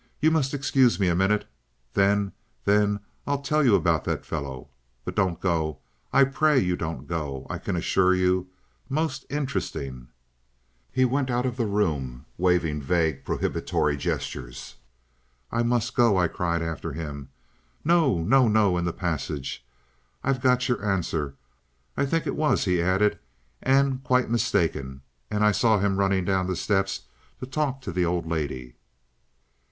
"You must excuse me a minute! Then—then I'll tell you about that fellow. But don't go. I pray you don't go. I can assure you. ... most interesting." He went out of the room waving vague prohibitory gestures. "I must go," I cried after him. "No, no, no!" in the passage. "I've got your answer," I think it was he added, and "quite mistaken;" and I saw him running down the steps to talk to the old lady.